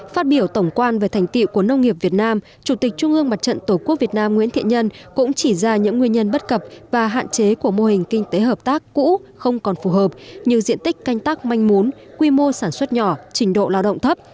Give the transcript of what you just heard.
phát biểu tổng quan về thành tiệu của nông nghiệp việt nam chủ tịch trung ương mặt trận tổ quốc việt nam nguyễn thiện nhân cũng chỉ ra những nguyên nhân bất cập và hạn chế của mô hình kinh tế hợp tác cũ không còn phù hợp như diện tích canh tác manh mún quy mô sản xuất nhỏ trình độ lao động thấp